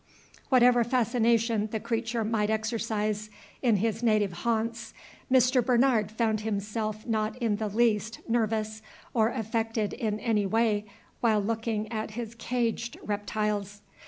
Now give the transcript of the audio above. Whatever fascination the creature might exercise in his native haunts, Mr. Bernard found himself not in the least nervous or affected in any way while looking at his caged reptiles.